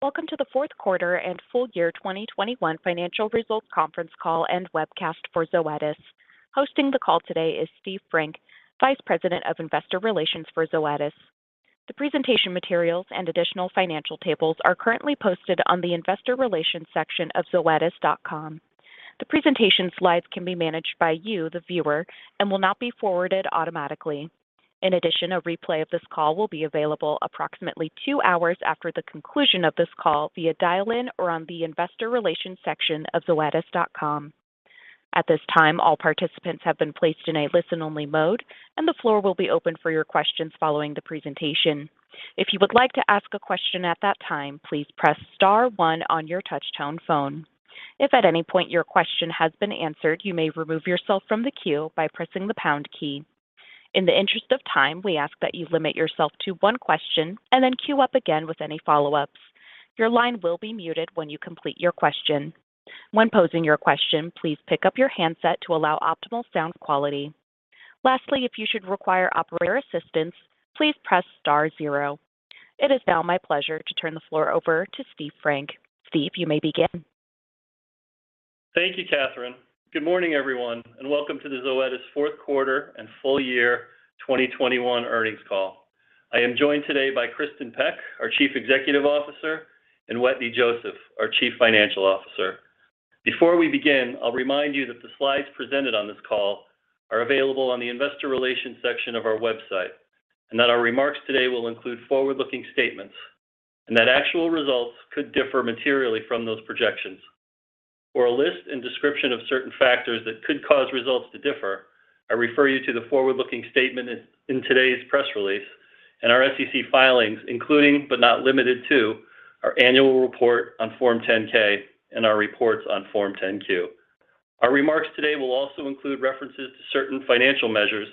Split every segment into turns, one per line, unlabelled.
Welcome to the fourth quarter and full year 2021 financial results conference call and webcast for Zoetis. Hosting the call today is Steve Frank, Vice President of Investor Relations for Zoetis. The presentation materials and additional financial tables are currently posted on the Investor Relations section of zoetis.com. The presentation slides can be managed by you, the viewer, and will not be forwarded automatically. In addition, a replay of this call will be available approximately 2 hours after the conclusion of this call via dial-in or on the investor relations section of zoetis.com. At this time, all participants have been placed in a listen-only mode, and the floor will be open for your questions following the presentation. If you would like to ask a question at that time, please press star one on your touchtone phone. If at any point your question has been answered, you may remove yourself from the queue by pressing the pound key. In the interest of time, we ask that you limit yourself to one question and then queue up again with any follow-ups. Your line will be muted when you complete your question. When posing your question, please pick up your handset to allow optimal sound quality. Lastly, if you should require operator assistance, please press star zero. It is now my pleasure to turn the floor over to Steve Frank. Steve, you may begin.
Thank you, Catherine. Good morning, everyone, and welcome to the Zoetis fourth quarter and full year 2021 earnings call. I am joined today by Kristin Peck, our Chief Executive Officer, and Wetteny Joseph, our Chief Financial Officer. Before we begin, I'll remind you that the slides presented on this call are available on the investor relations section of our website, and that our remarks today will include forward-looking statements, and that actual results could differ materially from those projections. For a list and description of certain factors that could cause results to differ, I refer you to the forward-looking statement in today's press release and our SEC filings, including but not limited to our annual report on Form 10-K and our reports on Form 10-Q. Our remarks today will also include references to certain financial measures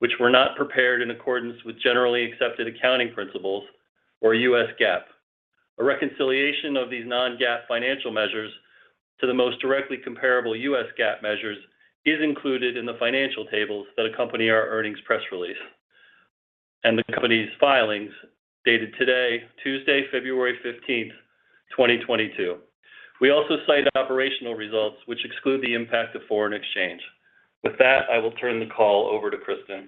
which were not prepared in accordance with generally accepted accounting principles or U.S. GAAP. A reconciliation of these non-GAAP financial measures to the most directly comparable U.S. GAAP measures is included in the financial tables that accompany our earnings press release and the company's filings dated today, Tuesday, February 15, 2022. We also cite operational results which exclude the impact of foreign exchange. With that, I will turn the call over to Kristin.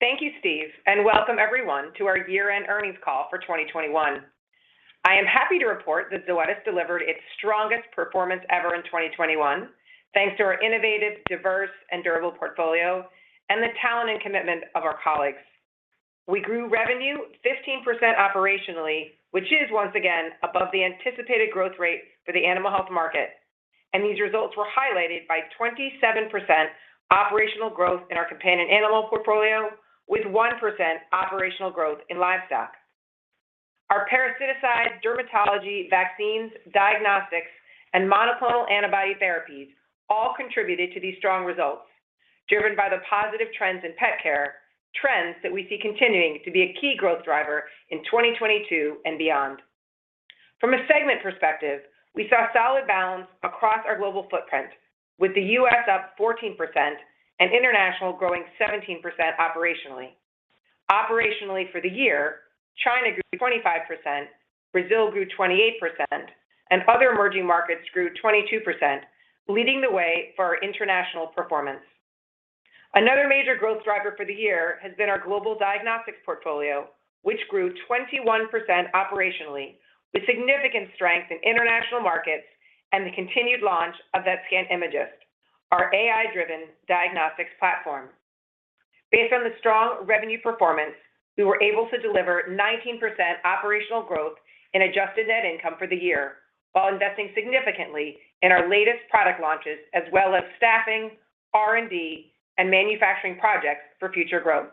Thank you, Steve, and welcome everyone to our year-end earnings call for 2021. I am happy to report that Zoetis delivered its strongest performance ever in 2021 thanks to our innovative, diverse and durable portfolio and the talent and commitment of our colleagues. We grew revenue 15% operationally, which is once again above the anticipated growth rate for the animal health market. These results were highlighted by 27% operational growth in our companion animal portfolio with 1% operational growth in livestock. Our parasiticides, dermatology, vaccines, diagnostics and monoclonal antibody therapies all contributed to these strong results driven by the positive trends in pet care, trends that we see continuing to be a key growth driver in 2022 and beyond. From a segment perspective, we saw solid balance across our global footprint with the U.S. up 14% and international growing 17% operationally. Operationally for the year, China grew 25%, Brazil grew 28% and other emerging markets grew 22%, leading the way for our international performance. Another major growth driver for the year has been our global diagnostics portfolio, which grew 21% operationally with significant strength in international markets and the continued launch of VETSCAN IMAGYST, our AI-driven diagnostics platform. Based on the strong revenue performance, we were able to deliver 19% operational growth in adjusted net income for the year while investing significantly in our latest product launches as well as staffing, R&D and manufacturing projects for future growth.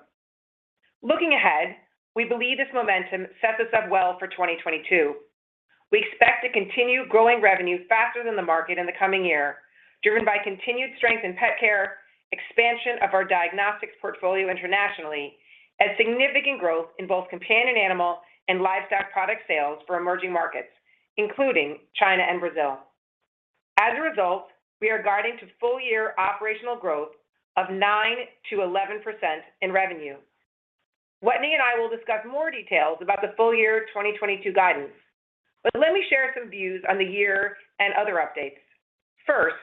Looking ahead, we believe this momentum sets us up well for 2022. We expect to continue growing revenue faster than the market in the coming year, driven by continued strength in pet care, expansion of our diagnostics portfolio internationally and significant growth in both companion animal and livestock product sales for emerging markets, including China and Brazil. As a result, we are guiding to full year operational growth of 9%-11% in revenue. Wetteny and I will discuss more details about the full year 2022 guidance. Let me share some views on the year and other updates. First,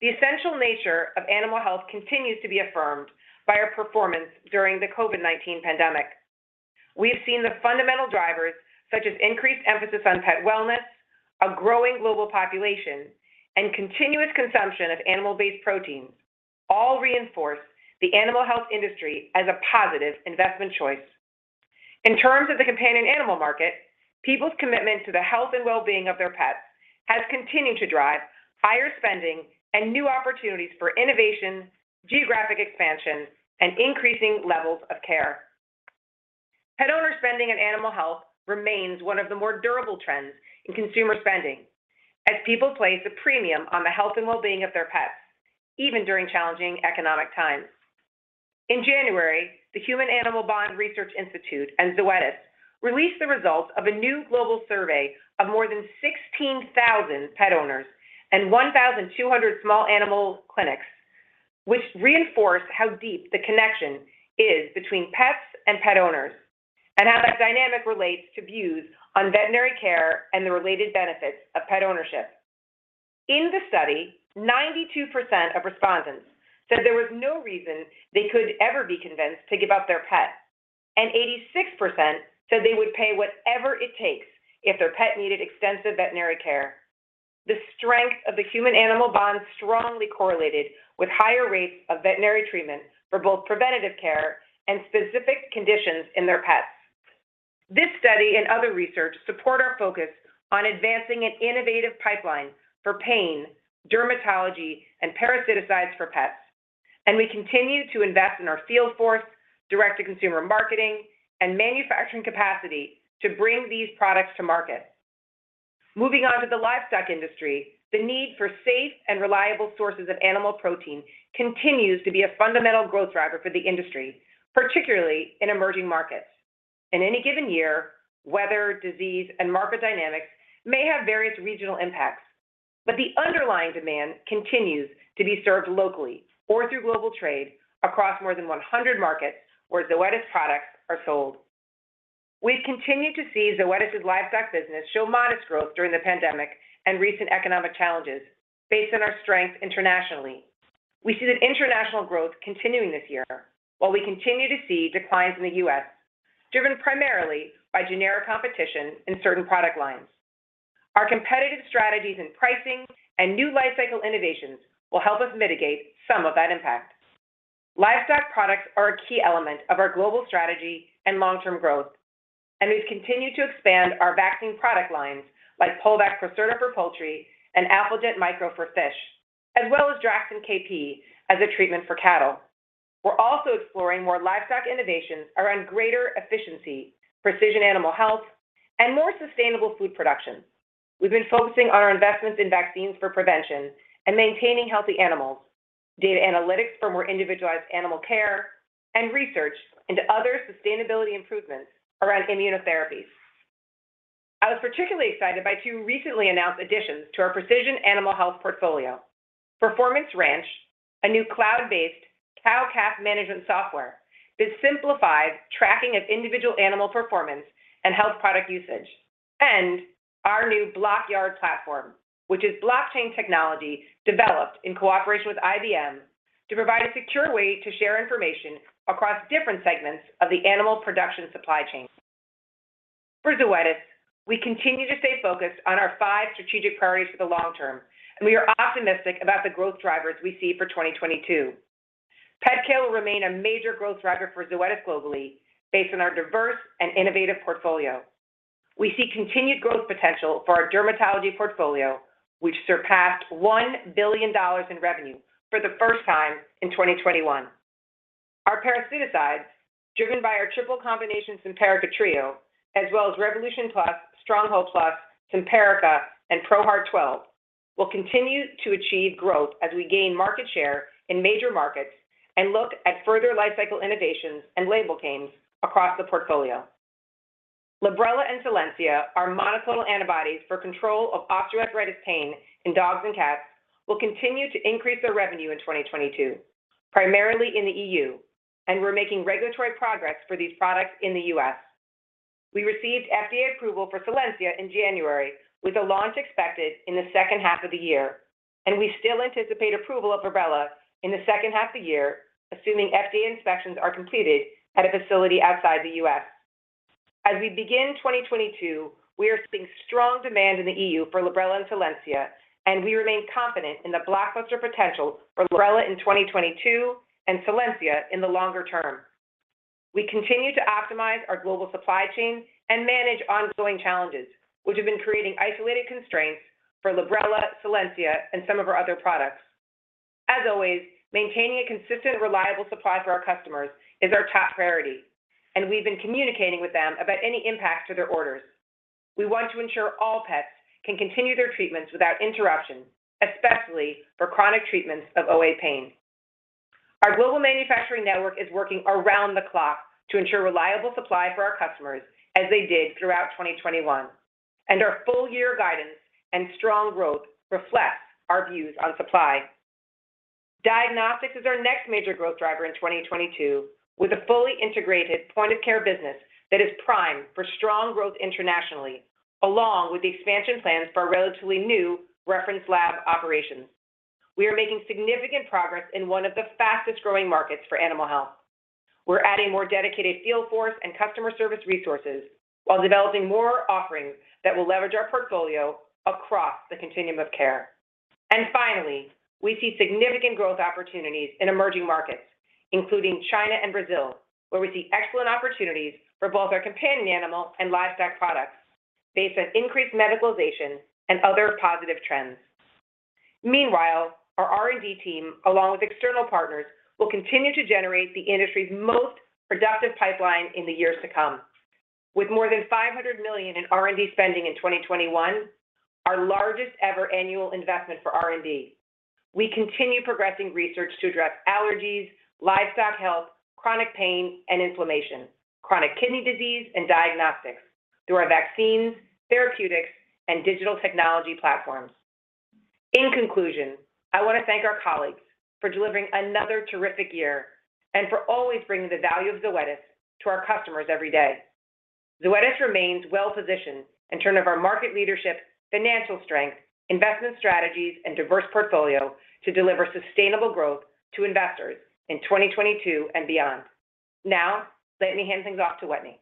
the essential nature of animal health continues to be affirmed by our performance during the COVID-19 pandemic. We have seen the fundamental drivers, such as increased emphasis on pet wellness, a growing global population, and continuous consumption of animal-based proteins, all reinforce the animal health industry as a positive investment choice. In terms of the companion animal market, people's commitment to the health and well-being of their pets has continued to drive higher spending and new opportunities for innovation, geographic expansion, and increasing levels of care. Pet owner spending in animal health remains one of the more durable trends in consumer spending as people place a premium on the health and well-being of their pets, even during challenging economic times. In January, the Human Animal Bond Research Institute and Zoetis released the results of a new global survey of more than 16,000 pet owners and 1,200 small animal clinics, which reinforce how deep the connection is between pets and pet owners, and how that dynamic relates to views on veterinary care and the related benefits of pet ownership. In the study, 92% of respondents said there was no reason they could ever be convinced to give up their pet, and 86% said they would pay whatever it takes if their pet needed extensive veterinary care. The strength of the human-animal bond strongly correlated with higher rates of veterinary treatment for both preventative care and specific conditions in their pets. This study and other research support our focus on advancing an innovative pipeline for pain, dermatology, and parasiticides for pets, and we continue to invest in our field force, direct-to-consumer marketing, and manufacturing capacity to bring these products to market. Moving on to the livestock industry, the need for safe and reliable sources of animal protein continues to be a fundamental growth driver for the industry, particularly in emerging markets. In any given year, weather, disease, and market dynamics may have various regional impacts. The underlying demand continues to be served locally or through global trade across more than 100 markets where Zoetis products are sold. We've continued to see Zoetis's livestock business show modest growth during the pandemic and recent economic challenges based on our strength internationally. We see that international growth continuing this year while we continue to see declines in the U.S., driven primarily by generic competition in certain product lines. Our competitive strategies in pricing and new lifecycle innovations will help us mitigate some of that impact. Livestock products are a key element of our global strategy and long-term growth, and we've continued to expand our vaccine product lines like Poulvac Procerta for poultry and Alpha Ject Micro for fish, as well as Draxxin KP as a treatment for cattle. We're also exploring more livestock innovations around greater efficiency, precision animal health, and more sustainable food production. We've been focusing on our investments in vaccines for prevention and maintaining healthy animals, data analytics for more individualized animal care, and research into other sustainability improvements around immunotherapies. I was particularly excited by two recently announced additions to our precision animal health portfolio. Performance Ranch, a new cloud-based cow-calf management software that simplifies tracking of individual animal performance and health product usage. Our new BLOCKYARD platform, which is blockchain technology developed in cooperation with IBM to provide a secure way to share information across different segments of the animal production supply chain. For Zoetis, we continue to stay focused on our five strategic priorities for the long term, and we are optimistic about the growth drivers we see for 2022. Pet care will remain a major growth driver for Zoetis globally based on our diverse and innovative portfolio. We see continued growth potential for our dermatology portfolio, which surpassed $1 billion in revenue for the first time in 2021. Our parasiticides, driven by our triple combination Simparica Trio, as well as Revolution Plus, Stronghold Plus, Simparica, and ProHeart 12, will continue to achieve growth as we gain market share in major markets and look at further life cycle innovations and label gains across the portfolio. Librela and Solensia, our monoclonal antibodies for control of osteoarthritis pain in dogs and cats, will continue to increase their revenue in 2022, primarily in the E.U., and we're making regulatory progress for these products in the U.S. We received FDA approval for Solensia in January with a launch expected in the second half of the year, and we still anticipate approval of Librela in the second half of the year, assuming FDA inspections are completed at a facility outside the U.S. As we begin 2022, we are seeing strong demand in the E.U. for Librela and Solensia, and we remain confident in the blockbuster potential for Librela in 2022 and Solensia in the longer term. We continue to optimize our global supply chain and manage ongoing challenges which have been creating isolated constraints for Librela, Solensia, and some of our other products. As always, maintaining a consistent, reliable supply for our customers is our top priority, and we've been communicating with them about any impact to their orders. We want to ensure all pets can continue their treatments without interruption, especially for chronic treatments of OA pain. Our global manufacturing network is working around the clock to ensure reliable supply for our customers as they did throughout 2021, and our full year guidance and strong growth reflects our views on supply. Diagnostics is our next major growth driver in 2022 with a fully integrated point-of-care business that is primed for strong growth internationally along with the expansion plans for our relatively new reference lab operations. We are making significant progress in one of the fastest-growing markets for animal health. We're adding more dedicated field force and customer service resources while developing more offerings that will leverage our portfolio across the continuum of care. Finally, we see significant growth opportunities in emerging markets, including China and Brazil, where we see excellent opportunities for both our companion animal and livestock products based on increased medicalization and other positive trends. Meanwhile, our R&D team, along with external partners, will continue to generate the industry's most productive pipeline in the years to come. With more than $500 million in R&D spending in 2021, our largest ever annual investment for R&D, we continue progressing research to address allergies, livestock health, chronic pain and inflammation, chronic kidney disease, and diagnostics through our vaccines, therapeutics, and digital technology platforms. In conclusion, I wanna thank our colleagues for delivering another terrific year and for always bringing the value of Zoetis to our customers every day. Zoetis remains well-positioned in terms of our market leadership, financial strength, investment strategies, and diverse portfolio to deliver sustainable growth to investors in 2022 and beyond. Now, let me hand things off to Wetteny.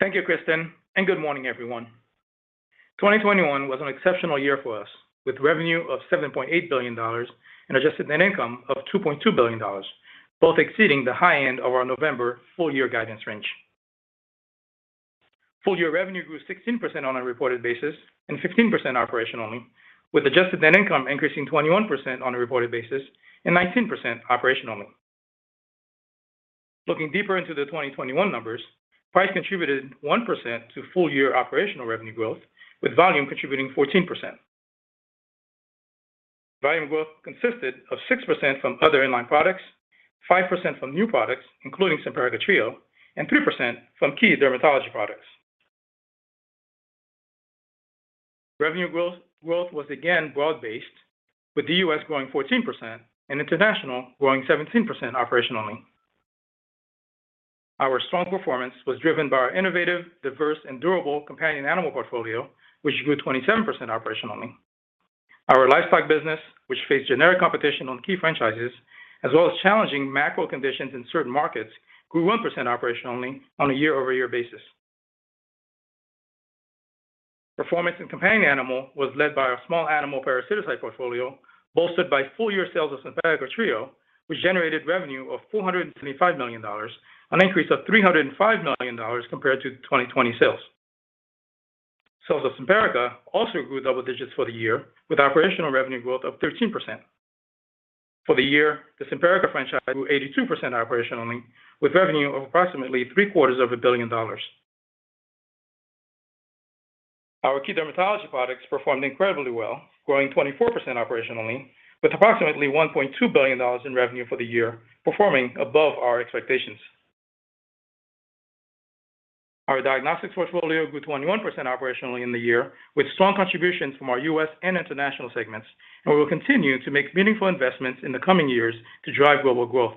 Thank you, Kristin, and good morning, everyone. 2021 was an exceptional year for us with revenue of $7.8 billion and adjusted net income of $2.2 billion, both exceeding the high end of our November full year guidance range. Full year revenue grew 16% on a reported basis and 15% operationally, with adjusted net income increasing 21% on a reported basis and 19% operationally. Looking deeper into the 2021 numbers, price contributed 1% to full year operational revenue growth, with volume contributing 14%. Volume growth consisted of 6% from other in-line products, 5% from new products, including Simparica Trio, and 3% from key dermatology products. Revenue growth was again broad-based, with the U.S. growing 14% and international growing 17% operationally. Our strong performance was driven by our innovative, diverse, and durable companion animal portfolio, which grew 27% operationally. Our livestock business, which faced generic competition on key franchises as well as challenging macro conditions in certain markets, grew 1% operationally on a year-over-year basis. Performance in companion animal was led by our small animal parasiticide portfolio, bolstered by full-year sales of Simparica Trio, which generated revenue of $425 million, an increase of $305 million compared to 2020 sales. Sales of Simparica also grew double digits for the year, with operational revenue growth of 13%. For the year, the Simparica franchise grew 82% operationally, with revenue of approximately three quarters of a billion dollars. Our key dermatology products performed incredibly well, growing 24% operationally with approximately $1.2 billion in revenue for the year, performing above our expectations. Our diagnostics portfolio grew 21% operationally in the year, with strong contributions from our U.S. and international segments, and we will continue to make meaningful investments in the coming years to drive global growth.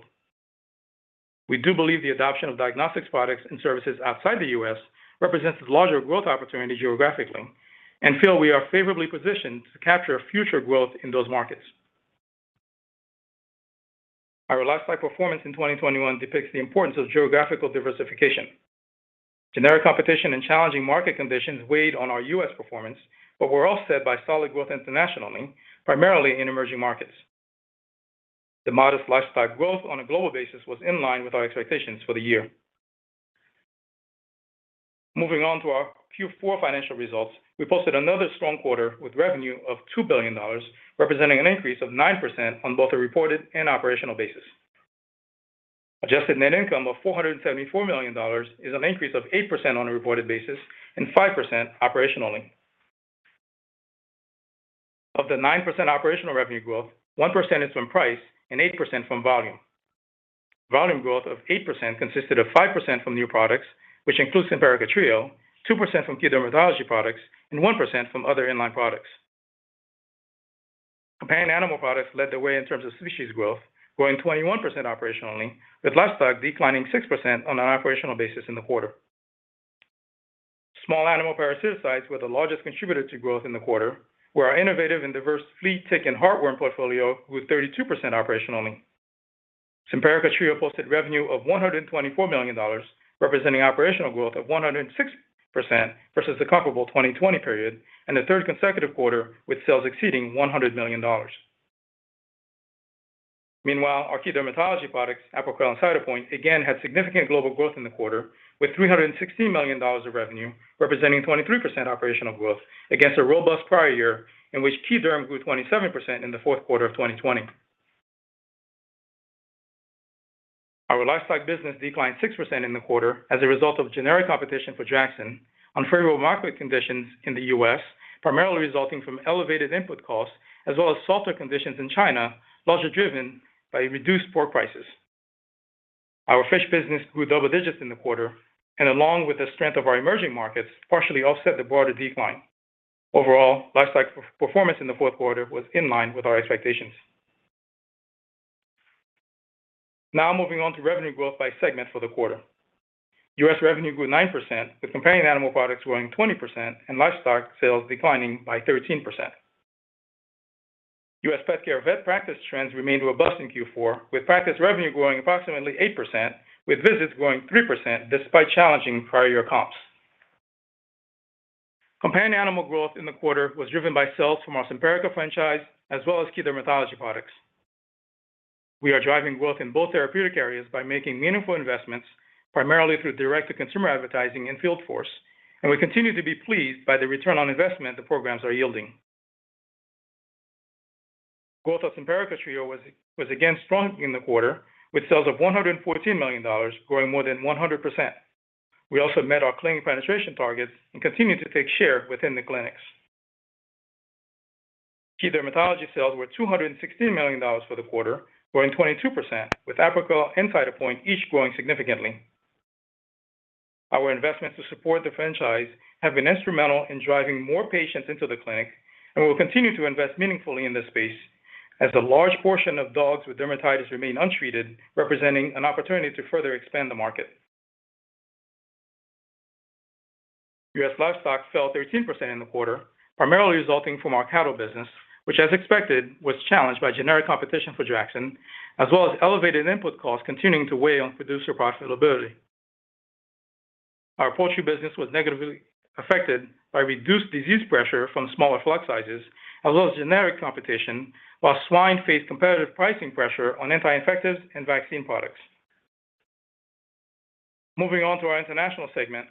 We do believe the adoption of diagnostics products and services outside the U.S. represents larger growth opportunities geographically and feel we are favorably positioned to capture future growth in those markets. Our livestock performance in 2021 depicts the importance of geographical diversification. Generic competition and challenging market conditions weighed on our U.S. performance, but were offset by solid growth internationally, primarily in emerging markets. The modest livestock growth on a global basis was in line with our expectations for the year. Moving on to our Q4 financial results, we posted another strong quarter with revenue of $2 billion, representing an increase of 9% on both a reported and operational basis. Adjusted net income of $474 million is an increase of 8% on a reported basis and 5% operationally. Of the 9% operational revenue growth, 1% is from price and 8% from volume. Volume growth of 8% consisted of 5% from new products, which includes Simparica Trio, 2% from key dermatology products, and 1% from other in-line products. Companion animal products led the way in terms of species growth, growing 21% operationally, with livestock declining 6% on an operational basis in the quarter. Small animal parasiticides were the largest contributor to growth in the quarter, where our innovative and diverse flea, tick, and heartworm portfolio grew 32% operationally. Simparica Trio posted revenue of $124 million, representing operational growth of 106% versus the comparable 2020 period and the third consecutive quarter with sales exceeding $100 million. Meanwhile, our key dermatology products, Apoquel and Cytopoint, again had significant global growth in the quarter, with $360 million of revenue, representing 23% operational growth against a robust prior year in which key derm grew 27% in the fourth quarter of 2020. Our livestock business declined 6% in the quarter as a result of generic competition for Draxxin, unfavorable market conditions in the U.S., primarily resulting from elevated input costs as well as softer conditions in China, largely driven by reduced pork prices. Our fish business grew double digits in the quarter and along with the strength of our emerging markets, partially offset the broader decline. Overall, livestock performance in the fourth quarter was in line with our expectations. Now moving on to revenue growth by segment for the quarter. U.S. revenue grew 9%, with companion animal products growing 20% and livestock sales declining by 13%. U.S. pet care vet practice trends remained robust in Q4, with practice revenue growing approximately 8%, with visits growing 3% despite challenging prior year comps. Companion animal growth in the quarter was driven by sales from our Simparica franchise as well as key dermatology products. We are driving growth in both therapeutic areas by making meaningful investments, primarily through direct-to-consumer advertising and field force, and we continue to be pleased by the return on investment the programs are yielding. Growth of Simparica Trio was again strong in the quarter, with sales of $114 million growing more than 100%. We also met our clinic penetration targets and continue to take share within the clinics. Key dermatology sales were $216 million for the quarter, growing 22%, with Apoquel and Cytopoint each growing significantly. Our investments to support the franchise have been instrumental in driving more patients into the clinic, and we'll continue to invest meaningfully in this space as a large portion of dogs with dermatitis remain untreated, representing an opportunity to further expand the market. U.S. Livestock fell 13% in the quarter, primarily resulting from our cattle business, which, as expected, was challenged by generic competition for Draxxin, as well as elevated input costs continuing to weigh on producer profitability. Our poultry business was negatively affected by reduced disease pressure from smaller flock sizes, as well as generic competition, while swine faced competitive pricing pressure on anti-infectives and vaccine products. Moving on to our international segment,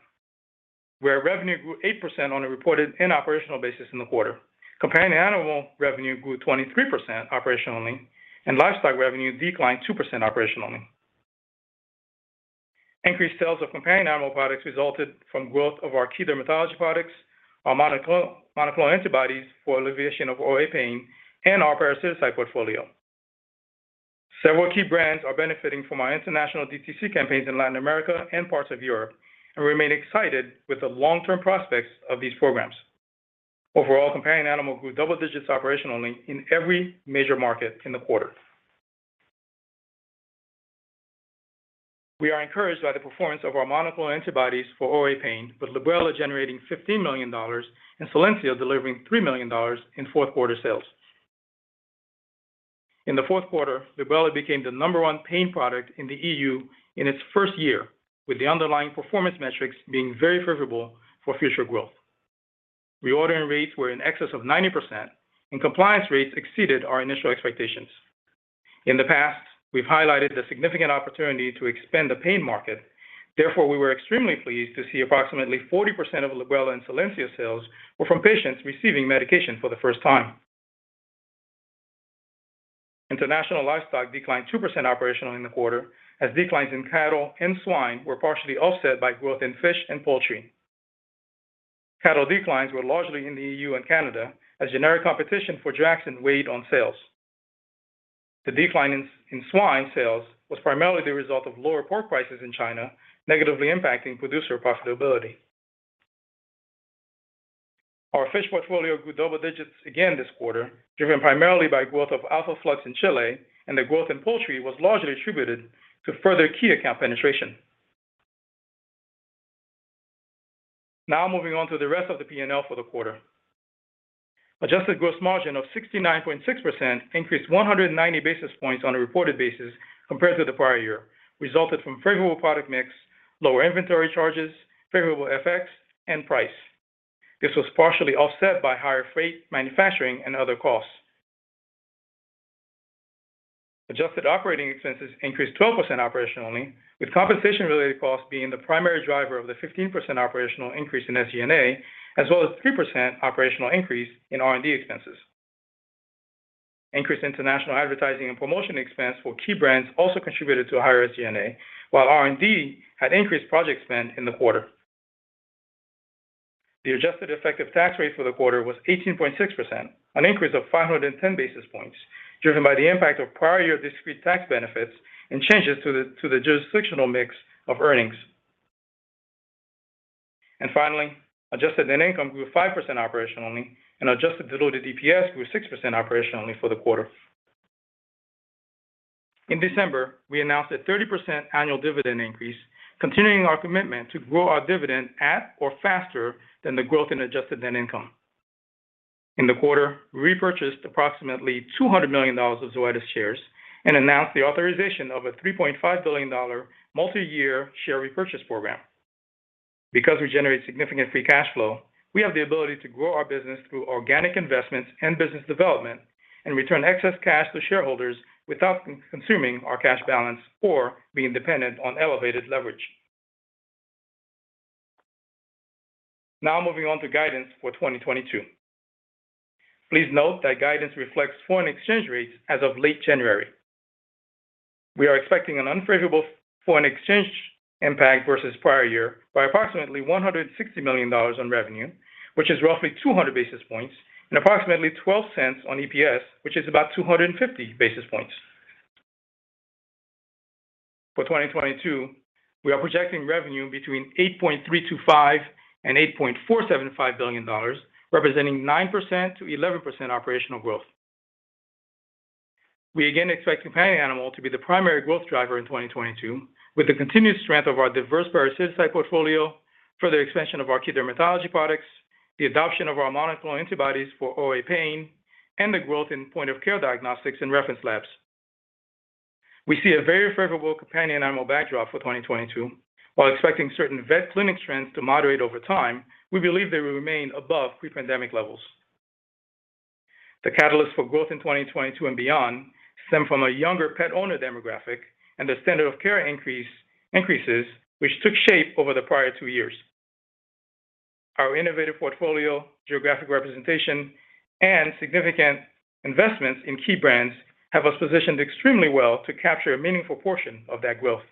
where revenue grew 8% on a reported and operational basis in the quarter. Companion Animal revenue grew 23% operationally, and Livestock revenue declined 2% operationally. Increased sales of companion animal products resulted from growth of our key dermatology products, our monoclonal antibodies for alleviation of OA pain, and our parasite portfolio. Several key brands are benefiting from our international DTC campaigns in Latin America and parts of Europe, and we remain excited with the long-term prospects of these programs. Overall, companion animal grew double digits operationally in every major market in the quarter. We are encouraged by the performance of our monoclonal antibodies for OA pain, with Librela generating $15 million and Solensia delivering $3 million in fourth quarter sales. In the fourth quarter, Librela became the number one pain product in the E.U. in its first year, with the underlying performance metrics being very favorable for future growth. Reordering rates were in excess of 90%, and compliance rates exceeded our initial expectations. In the past, we've highlighted the significant opportunity to expand the pain market. Therefore, we were extremely pleased to see approximately 40% of Librela and Solensia sales were from patients receiving medication for the first time. International livestock declined 2% operationally in the quarter, as declines in cattle and swine were partially offset by growth in fish and poultry. Cattle declines were largely in the E.U. and Canada, as generic competition for Draxxin weighed on sales. The decline in swine sales was primarily the result of lower pork prices in China negatively impacting producer profitability. Our fish portfolio grew double digits again this quarter, driven primarily by growth of Alpha Flux in Chile, and the growth in poultry was largely attributed to further key account penetration. Now moving on to the rest of the P&L for the quarter. Adjusted gross margin of 69.6% increased 190 basis points on a reported basis compared to the prior year, resulted from favorable product mix, lower inventory charges, favorable FX, and price. This was partially offset by higher freight, manufacturing, and other costs. Adjusted operating expenses increased 12% operationally, with compensation-related costs being the primary driver of the 15% operational increase in SG&A, as well as 3% operational increase in R&D expenses. Increased international advertising and promotion expense for key brands also contributed to higher SG&A, while R&D had increased project spend in the quarter. The adjusted effective tax rate for the quarter was 18.6%, an increase of 510 basis points, driven by the impact of prior year discrete tax benefits and changes to the jurisdictional mix of earnings. Finally, adjusted net income grew 5% operationally, and adjusted diluted EPS grew 6% operationally for the quarter. In December, we announced a 30% annual dividend increase, continuing our commitment to grow our dividend at or faster than the growth in adjusted net income. In the quarter, we repurchased approximately $200 million of Zoetis shares and announced the authorization of a $3.5 billion multi-year share repurchase program. Because we generate significant free cash flow, we have the ability to grow our business through organic investments and business development and return excess cash to shareholders without consuming our cash balance or being dependent on elevated leverage. Now moving on to guidance for 2022. Please note that guidance reflects foreign exchange rates as of late January. We are expecting an unfavorable foreign exchange impact versus prior year by approximately $160 million on revenue, which is roughly 200 basis points, and approximately $0.12 on EPS, which is about 250 basis points. For 2022, we are projecting revenue between $8.325 billion and $8.475 billion, representing 9%-11% operational growth. We again expect companion animal to be the primary growth driver in 2022, with the continued strength of our diverse parasite portfolio, further expansion of our key dermatology products, the adoption of our monoclonal antibodies for OA pain, and the growth in point-of-care diagnostics and reference labs. We see a very favorable companion animal backdrop for 2022. While expecting certain vet clinic trends to moderate over time, we believe they will remain above pre-pandemic levels. The catalyst for growth in 2022 and beyond stems from a younger pet owner demographic and the standard of care increase which took shape over the prior two years. Our innovative portfolio, geographic representation, and significant investments in key brands have us positioned extremely well to capture a meaningful portion of that growth.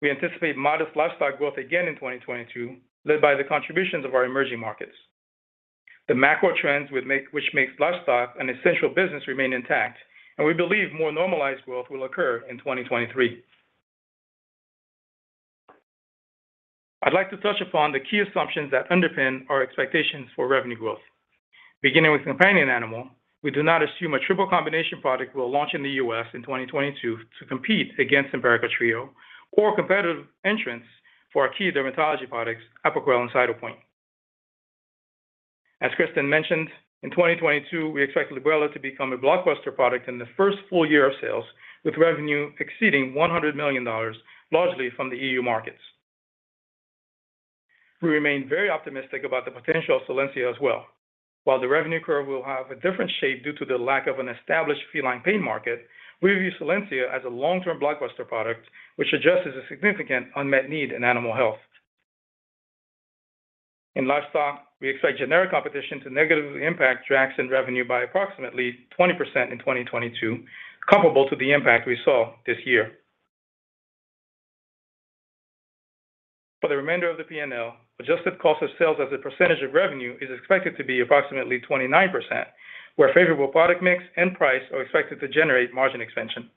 We anticipate modest livestock growth again in 2022, led by the contributions of our emerging markets. The macro trends which makes livestock an essential business remain intact, and we believe more normalized growth will occur in 2023. I'd like to touch upon the key assumptions that underpin our expectations for revenue growth. Beginning with companion animal, we do not assume a triple combination product will launch in the U.S. in 2022 to compete against Simparica Trio or competitive entrants for our key dermatology products, Apoquel and Cytopoint. As Kristin mentioned, in 2022, we expect Librela to become a blockbuster product in the first full year of sales, with revenue exceeding $100 million, largely from the E.U. markets. We remain very optimistic about the potential of Solensia as well. While the revenue curve will have a different shape due to the lack of an established feline pain market, we view Solensia as a long-term blockbuster product which addresses a significant unmet need in animal health. In livestock, we expect generic competition to negatively impact Zoetis revenue by approximately 20% in 2022, comparable to the impact we saw this year. For the remainder of the P&L, adjusted cost of sales as a percentage of revenue is expected to be approximately 29%, where favorable product mix and price are expected to generate margin expansion.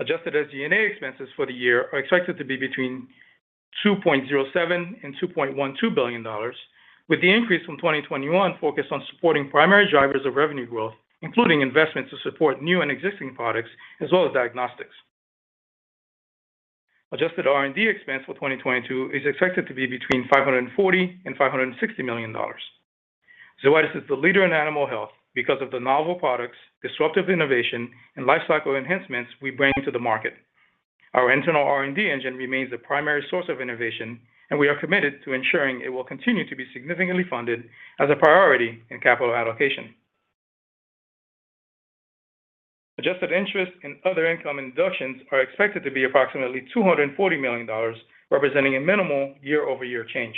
Adjusted SG&A expenses for the year are expected to be between $2.07 billion-$2.12 billion, with the increase from 2021 focused on supporting primary drivers of revenue growth, including investments to support new and existing products as well as diagnostics. Adjusted R&D expense for 2022 is expected to be between $540 million-$560 million. Zoetis is the leader in animal health because of the novel products, disruptive innovation, and lifecycle enhancements we bring to the market. Our internal R&D engine remains the primary source of innovation, and we are committed to ensuring it will continue to be significantly funded as a priority in capital allocation. Adjusted interest and other income and deductions are expected to be approximately $240 million, representing a minimal year-over-year change.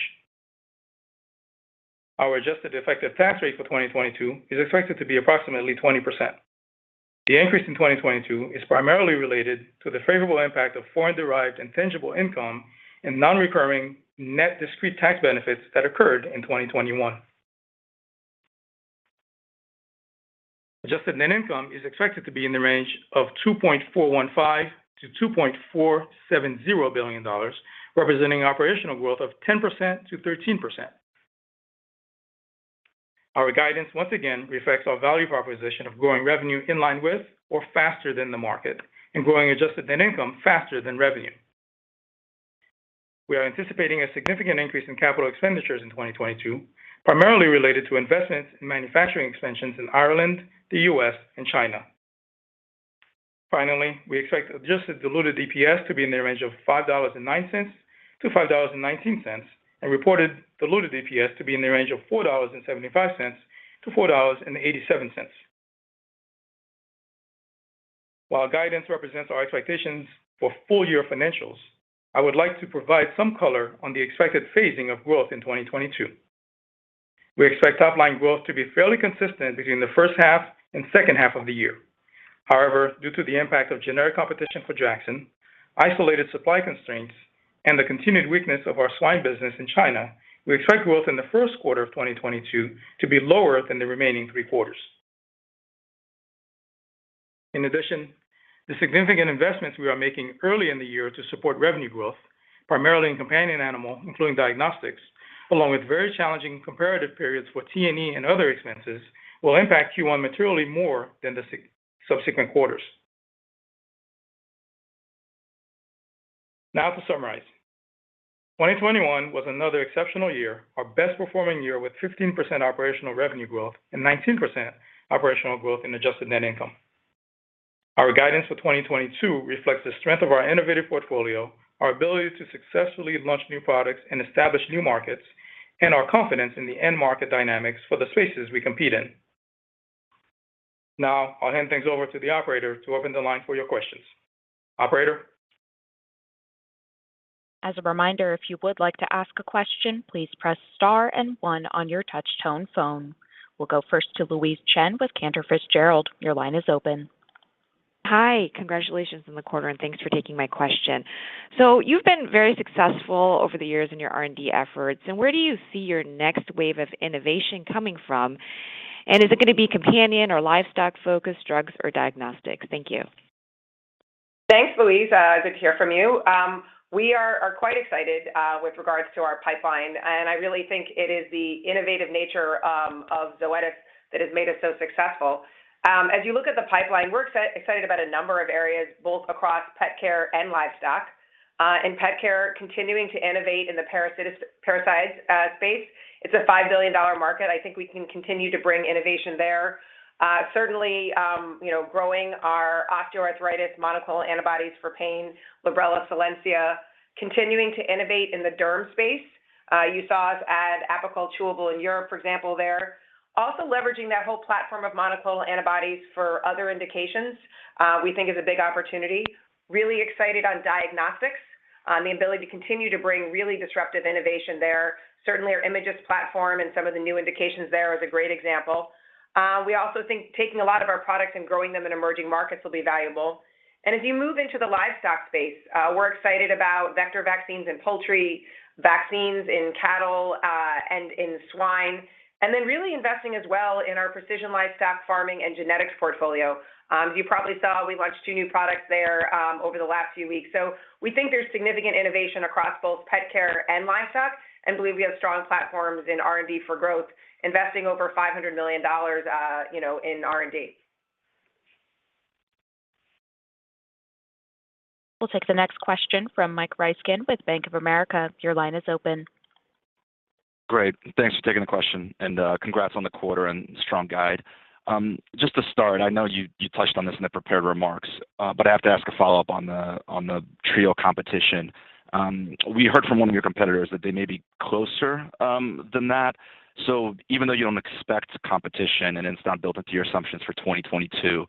Our adjusted effective tax rate for 2022 is expected to be approximately 20%. The increase in 2022 is primarily related to the favorable impact of foreign-derived and tangible income and non-recurring net discrete tax benefits that occurred in 2021. Adjusted net income is expected to be in the range of $2.415 billion-$2.470 billion, representing operational growth of 10%-13%. Our guidance once again reflects our value proposition of growing revenue in line with or faster than the market and growing adjusted net income faster than revenue. We are anticipating a significant increase in capital expenditures in 2022, primarily related to investments in manufacturing expansions in Ireland, the U.S., and China. Finally, we expect adjusted diluted EPS to be in the range of $5.09-$5.19, and reported diluted EPS to be in the range of $4.75-$4.87. While guidance represents our expectations for full-year financials, I would like to provide some color on the expected phasing of growth in 2022. We expect top-line growth to be fairly consistent between the first half and second half of the year. However, due to the impact of generic competition for Draxxin, isolated supply constraints, and the continued weakness of our swine business in China, we expect growth in the first quarter of 2022 to be lower than the remaining three quarters. In addition, the significant investments we are making early in the year to support revenue growth, primarily in companion animal, including diagnostics, along with very challenging comparative periods for T&E and other expenses, will impact Q1 materially more than the subsequent quarters. Now, to summarize. 2021 was another exceptional year, our best performing year with 15% operational revenue growth and 19% operational growth in adjusted net income. Our guidance for 2022 reflects the strength of our innovative portfolio, our ability to successfully launch new products and establish new markets, and our confidence in the end market dynamics for the spaces we compete in. Now I'll hand things over to the operator to open the line for your questions. Operator?
As a reminder, if you would like to ask a question, please press star and one on your touchtone phone. We'll go first to Louise Chen with Cantor Fitzgerald. Your line is open.
Hi. Congratulations on the quarter, and thanks for taking my question. You've been very successful over the years in your R&D efforts. Where do you see your next wave of innovation coming from? Is it gonna be companion or livestock-focused drugs or diagnostics? Thank you.
Thanks, Louise. Good to hear from you. We are quite excited with regards to our pipeline, and I really think it is the innovative nature of Zoetis that has made us so successful. As you look at the pipeline, we're excited about a number of areas both across pet care and livestock. In pet care, continuing to innovate in the parasite space. It's a $5 billion market. I think we can continue to bring innovation there. Certainly, you know, growing our osteoarthritis monoclonal antibodies for pain, Librela, Solensia. Continuing to innovate in the derm space. You saw us add Apoquel Chewable in Europe, for example, there. Also leveraging that whole platform of monoclonal antibodies for other indications, we think is a big opportunity. Really excited on diagnostics. The ability to continue to bring really disruptive innovation there. Certainly our IMAGYST platform and some of the new indications there is a great example. We also think taking a lot of our products and growing them in emerging markets will be valuable. As you move into the livestock space, we're excited about vector vaccines in poultry, vaccines in cattle, and in swine, and then really investing as well in our precision livestock farming and genetics portfolio. As you probably saw, we launched two new products there over the last few weeks. We think there's significant innovation across both pet care and livestock, and believe we have strong platforms in R&D for growth, investing over $500 million, you know, in R&D.
We'll take the next question from Michael Ryskin with Bank of America. Your line is open.
Great. Thanks for taking the question, and congrats on the quarter and strong guide. Just to start, I know you touched on this in the prepared remarks, but I have to ask a follow-up on the Trio competition. We heard from one of your competitors that they may be closer than that. Even though you don't expect competition and it's not built into your assumptions for 2022,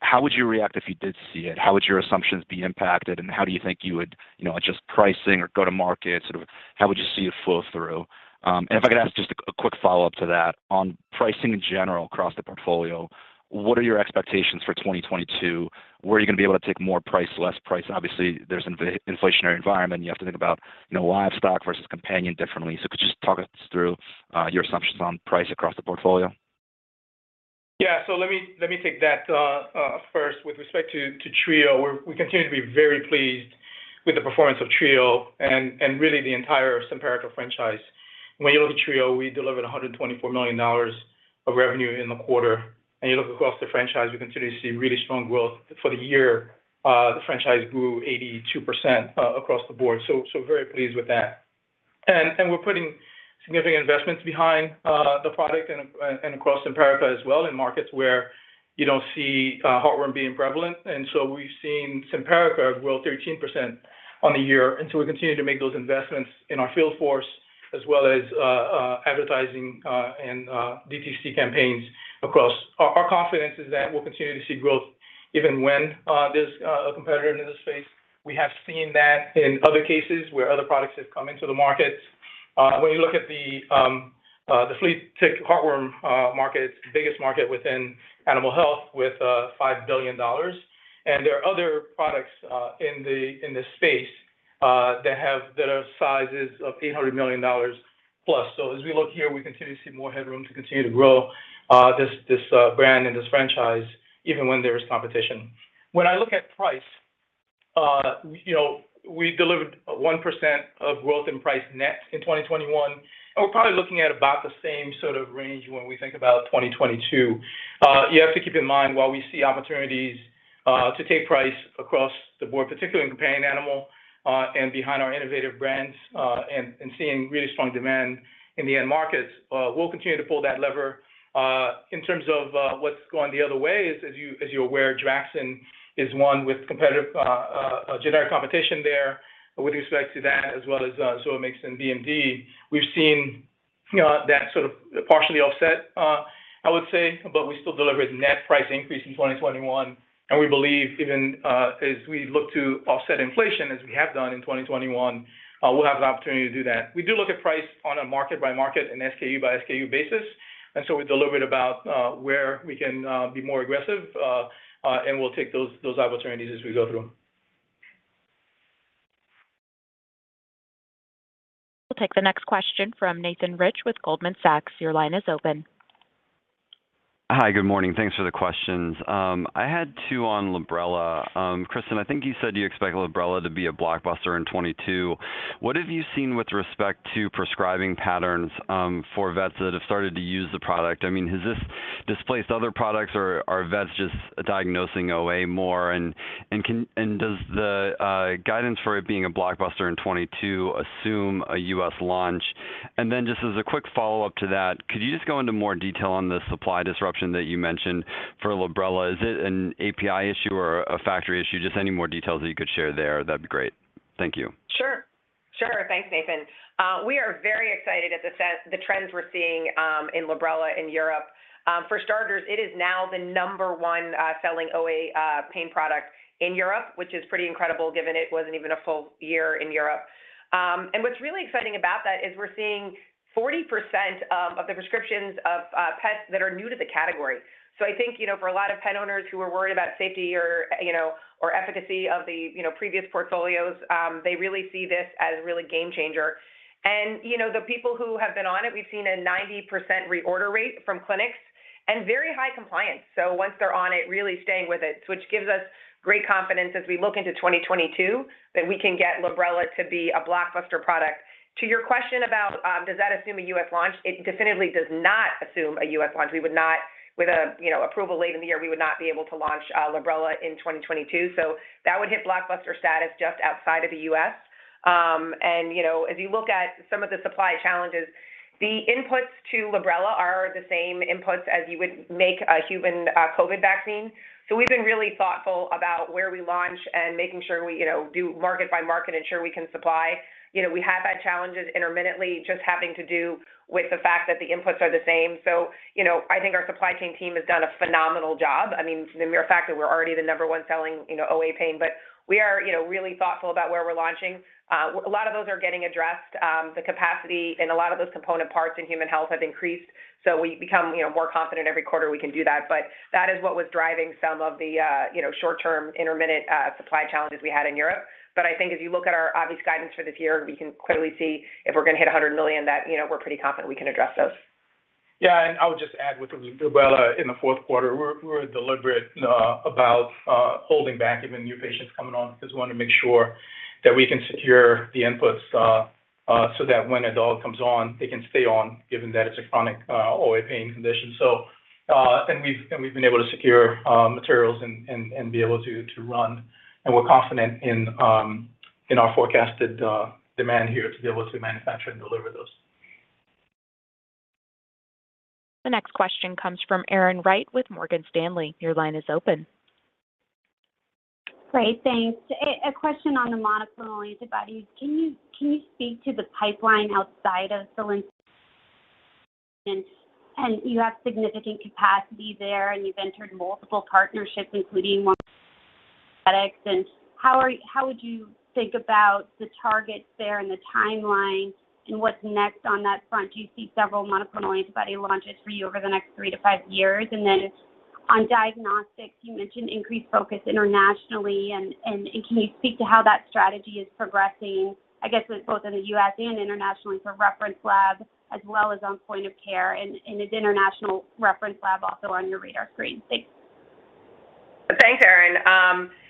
how would you react if you did see it? How would your assumptions be impacted, and how do you think you would, you know, adjust pricing or go to market? Sort of how would you see it flow through? If I could ask just a quick follow-up to that, on pricing in general across the portfolio, what are your expectations for 2022? Where are you gonna be able to take more price, less price? Obviously, there's inflationary environment, and you have to think about, you know, livestock versus companion differently. Could you just talk us through your assumptions on price across the portfolio?
Yeah. Let me take that. First, with respect to Trio, we continue to be very pleased with the performance of Trio and really the entire Simparica franchise. When you look at Trio, we delivered $124 million of revenue in the quarter. You look across the franchise, we continue to see really strong growth. For the year, the franchise grew 82% across the board. Very pleased with that. We're putting significant investments behind the product and across Simparica as well in markets where you don't see heartworm being prevalent. We've seen Simparica grow 13% on the year. We continue to make those investments in our field force as well as advertising and DTC campaigns across. Our confidence is that we'll continue to see growth even when there's a competitor in this space. We have seen that in other cases where other products have come into the market. When you look at the flea, tick, heartworm market, it's the biggest market within animal health with $5 billion. There are other products in this space that are sizes of $800+ million. We continue to see more headroom to continue to grow this brand and this franchise even when there is competition. When I look at price, you know, we delivered 1% growth in price net in 2021, and we're probably looking at about the same sort of range when we think about 2022. You have to keep in mind, while we see opportunities to take price across the board, particularly in companion animal, and behind our innovative brands, and seeing really strong demand in the end markets, we'll continue to pull that lever. In terms of what's going the other way is, as you're aware, Draxxin is one with competitive generic competition there with respect to that, as well as Suvaxyn and BMD. We've seen, you know, that sort of partially offset, I would say, but we still delivered net price increase in 2021. We believe even as we look to offset inflation as we have done in 2021, we'll have an opportunity to do that. We do look at price on a market-by-market and SKU-by-SKU basis, and so we deliver it about where we can be more aggressive. We'll take those opportunities as we go through them.
We'll take the next question from Nathan Rich with Goldman Sachs. Your line is open.
Hi. Good morning. Thanks for the questions. I had two on Librela. Kristin, I think you said you expect Librela to be a blockbuster in 2022. What have you seen with respect to prescribing patterns for vets that have started to use the product? I mean, has this displaced other products, or are vets just diagnosing OA more? And does the guidance for it being a blockbuster in 2022 assume a U.S. launch? Just as a quick follow-up to that, could you just go into more detail on the supply disruption that you mentioned for Librela? Is it an API issue or a factory issue? Just any more details that you could share there, that'd be great. Thank you.
Sure. Thanks, Nathan. We are very excited at the trends we're seeing in Librela in Europe. For starters, it is now the number-one selling OA pain product in Europe, which is pretty incredible given it wasn't even a full year in Europe. What's really exciting about that is we're seeing 40% of the prescriptions of pets that are new to the category. I think, you know, for a lot of pet owners who are worried about safety or, you know, or efficacy of the, you know, previous portfolios, they really see this as a really game changer. You know, the people who have been on it, we've seen a 90% reorder rate from clinics and very high compliance. Once they're on it, really staying with it, which gives us great confidence as we look into 2022 that we can get Librela to be a blockbuster product. To your question about, does that assume a U.S. launch, it definitively does not assume a U.S. launch. With a, you know, approval late in the year, we would not be able to launch Librela in 2022. That would hit blockbuster status just outside of the U.S. You know, as you look at some of the supply challenges, the inputs to Librela are the same inputs as you would make a human COVID vaccine. We've been really thoughtful about where we launch and making sure we, you know, do market by market, ensure we can supply. You know, we have had challenges intermittently just having to do with the fact that the inputs are the same. You know, I think our supply chain team has done a phenomenal job. I mean, the mere fact that we're already the number one selling, you know, OA pain, but we are, you know, really thoughtful about where we're launching. A lot of those are getting addressed. The capacity and a lot of those component parts in human health have increased, so we become, you know, more confident every quarter we can do that. That is what was driving some of the, you know, short-term intermittent, supply challenges we had in Europe. I think if you look at our overall guidance for this year, we can clearly see if we're gonna hit $100 million, that, you know, we're pretty confident we can address those.
Yeah, I would just add with Librela in the fourth quarter, we're deliberate about holding back even new patients coming on, because we want to make sure that we can secure the inputs, so that when a dog comes on, they can stay on given that it's a chronic OA pain condition. We've been able to secure materials and be able to run, and we're confident in our forecasted demand here to be able to manufacture and deliver those.
The next question comes from Erin Wright with Morgan Stanley. Your line is open.
Great. Thanks. A question on the monoclonal antibodies. Can you speak to the pipeline outside of Solensia? You have significant capacity there, and you've entered multiple partnerships, including one with GENEX. How would you think about the targets there and the timeline and what's next on that front? Do you see several monoclonal antibody launches for you over the next three to five years? On diagnostics, you mentioned increased focus internationally and can you speak to how that strategy is progressing, I guess, with both in the U.S. and internationally for reference labs as well as on point of care and is international reference lab also on your radar screen? Thanks.
Thanks, Erin.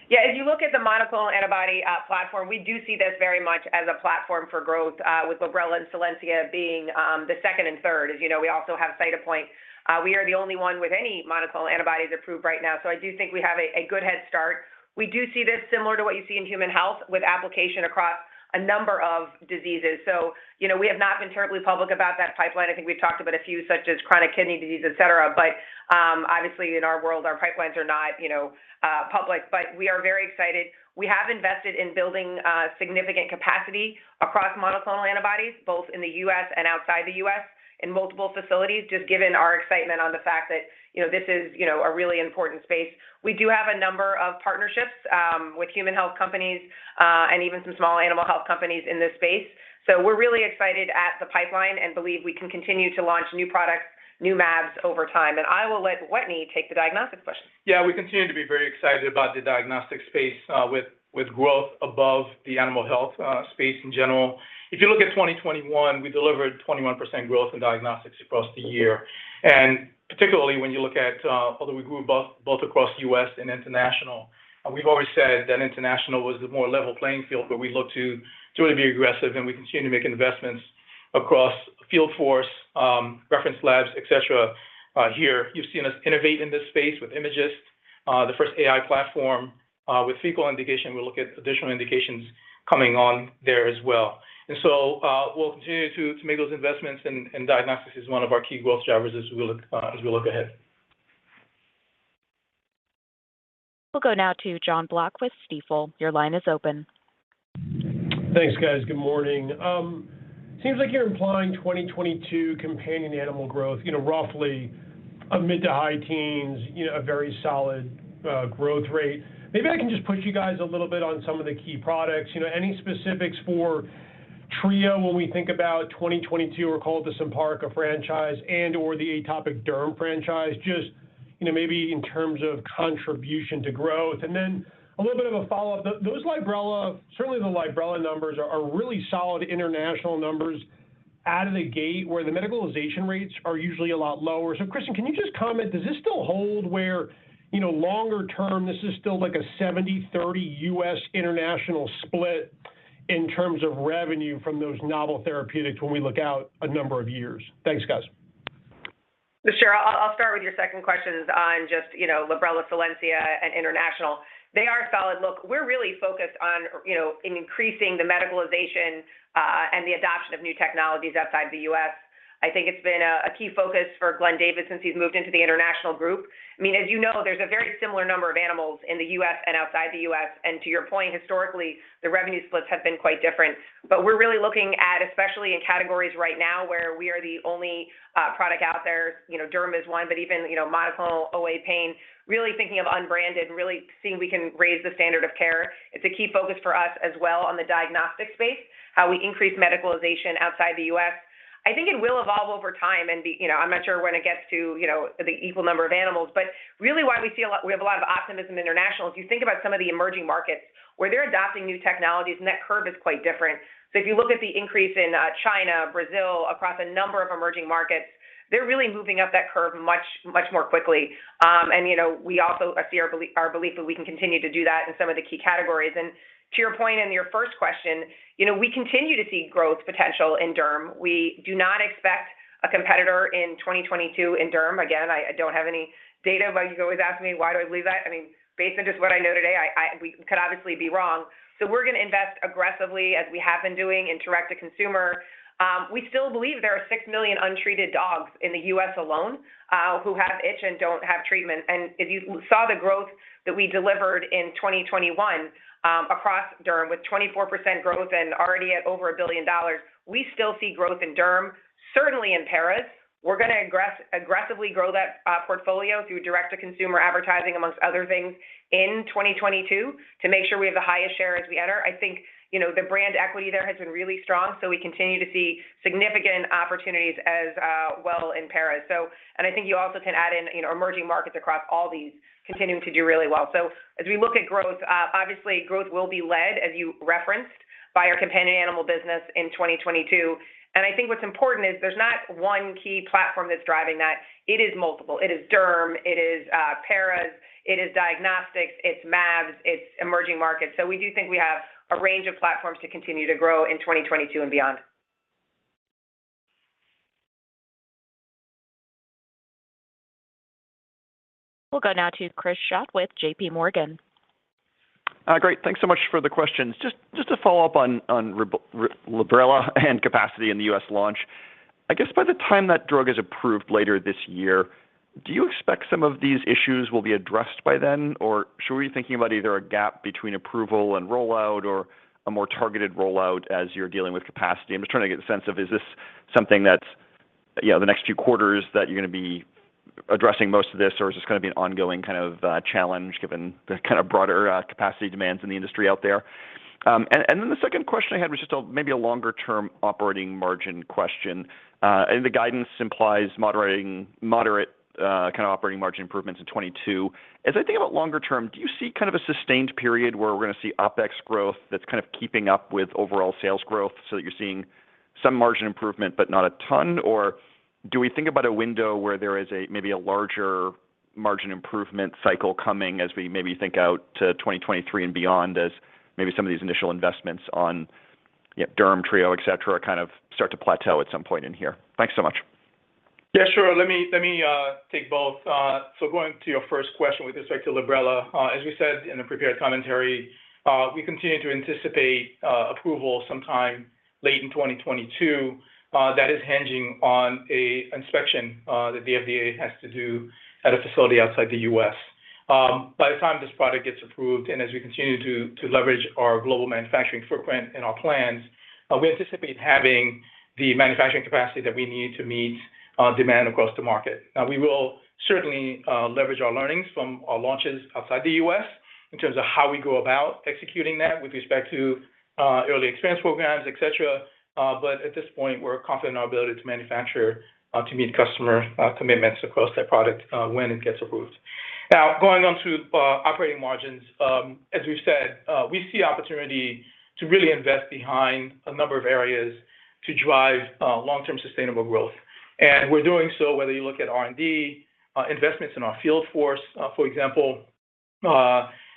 Yeah, if you look at the monoclonal antibody platform, we do see this very much as a platform for growth with Librela and Solensia being the second and third. As you know, we also have Cytopoint. We are the only one with any monoclonal antibodies approved right now. I do think we have a good head start. We do see this similar to what you see in human health with application across a number of diseases. You know, we have not been terribly public about that pipeline. I think we've talked about a few such as chronic kidney disease, et cetera, but obviously in our world, our pipelines are not public. We are very excited. We have invested in building significant capacity across monoclonal antibodies, both in the U.S. and outside the U.S. in multiple facilities, just given our excitement on the fact that, you know, this is, you know, a really important space. We do have a number of partnerships with human health companies and even some small animal health companies in this space. We're really excited at the pipeline and believe we can continue to launch new products, new mAbs over time. I will let Wetteny take the diagnostic question.
Yeah. We continue to be very excited about the diagnostic space, with growth above the animal health space in general. If you look at 2021, we delivered 21% growth in diagnostics across the year. Particularly when you look at, although we grew both across U.S. and international, and we've always said that international was the more level playing field where we look to really be aggressive and we continue to make investments across field force, reference labs, etc. Here, you've seen us innovate in this space with IMAGYST, the first AI platform with initial indication. We'll look at additional indications coming on there as well. We'll continue to make those investments and diagnostics is one of our key growth drivers as we look ahead.
We'll go now to Jonathan Block with Stifel. Your line is open.
Thanks, guys. Good morning. Seems like you're implying 2022 companion animal growth, you know, roughly a mid- to high-teens, you know, a very solid growth rate. Maybe I can just push you guys a little bit on some of the key products. You know, any specifics for Trio when we think about 2022 or call it the Simparica franchise and/or the Atopic Derm franchise, just, you know, maybe in terms of contribution to growth? A little bit of a follow-up. Those Librela, certainly the Librela numbers are really solid international numbers out of the gate where the medicalization rates are usually a lot lower. Kristin, can you just comment, does this still hold where, you know, longer term, this is still like a 70/30 U.S. international split in terms of revenue from those novel therapeutics when we look out a number of years? Thanks, guys.
Sure. I'll start with your second questions on just, you know, Librela, Solensia and international. They are solid. Look, we're really focused on, you know, in increasing the medicalization and the adoption of new technologies outside the U.S. I think it's been a key focus for Glenn David since he's moved into the international group. I mean, as you know, there's a very similar number of animals in the U.S. and outside the U.S., and to your point, historically, the revenue splits have been quite different. We're really looking at, especially in categories right now where we are the only product out there. You know, derm is one, but even, you know, monoclonal, OA pain, really thinking of unmet, really seeing if we can raise the standard of care. It's a key focus for us as well on the diagnostic space, how we increase medicalization outside the U.S. I think it will evolve over time and be, you know, I'm not sure when it gets to, you know, the equal number of animals, but we have a lot of optimism international, if you think about some of the emerging markets where they're adopting new technologies and that curve is quite different. If you look at the increase in China, Brazil, across a number of emerging markets, they're really moving up that curve much more quickly. You know, we also see our belief that we can continue to do that in some of the key categories. To your point and your first question, you know, we continue to see growth potential in derm. We do not expect a competitor in 2022 in derm. Again, I don't have any data, but you can always ask me, why do I believe that? I mean, based on just what I know today, we could obviously be wrong. We're gonna invest aggressively as we have been doing in direct to consumer. We still believe there are 6 million untreated dogs in the U.S. alone, who have itch and don't have treatment. If you saw the growth that we delivered in 2021, across derm with 24% growth and already at over $1 billion, we still see growth in derm, certainly in paras. We're gonna aggressively grow that portfolio through direct to consumer advertising among other things in 2022 to make sure we have the highest share as we enter. I think, you know, the brand equity there has been really strong, so we continue to see significant opportunities as well in paras. I think you also can add in, you know, emerging markets across all these continuing to do really well. As we look at growth, obviously growth will be led, as you referenced, by our companion animal business in 2022. I think what's important is there's not one key platform that's driving that. It is multiple. It is derm, it is paras, it is diagnostics, it's mAbs, it's emerging markets. We do think we have a range of platforms to continue to grow in 2022 and beyond.
We'll go now to Chris Schott with JPMorgan.
Great. Thanks so much for the questions. Just to follow up on Librela and capacity in the U.S. launch. I guess by the time that drug is approved later this year, do you expect some of these issues will be addressed by then? Or should we be thinking about either a gap between approval and rollout or a more targeted rollout as you're dealing with capacity? I'm just trying to get a sense of, is this something that's, you know, the next few quarters that you're gonna be addressing most of this or is this gonna be an ongoing kind of challenge given the kind of broader capacity demands in the industry out there? And then the second question I had was just a maybe a longer term operating margin question. The guidance implies moderate kind of operating margin improvements in 2022. As I think about longer term, do you see kind of a sustained period where we're gonna see OpEx growth that's kind of keeping up with overall sales growth so that you're seeing some margin improvement, but not a ton? Or do we think about a window where there is maybe a larger margin improvement cycle coming as we maybe think out to 2023 and beyond as maybe some of these initial investments on, you know, derm, Trio, et cetera kind of start to plateau at some point in here. Thanks so much.
Yeah, sure. Let me take both. Going to your first question with respect to Librela. As we said in the prepared commentary, we continue to anticipate approval sometime late in 2022. That is hinging on an inspection that the FDA has to do at a facility outside the U.S. By the time this product gets approved, and as we continue to leverage our global manufacturing footprint in our plans, we anticipate having the manufacturing capacity that we need to meet demand across the market. Now, we will certainly leverage our learnings from our launches outside the U.S. in terms of how we go about executing that with respect to early experience programs, et cetera. At this point, we're confident in our ability to manufacture to meet customer commitments across that product when it gets approved. Now, going on to operating margins. As we've said, we see opportunity to really invest behind a number of areas to drive long-term sustainable growth. We're doing so, whether you look at R&D investments in our field force for example,